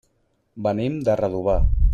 Venim de Redovà.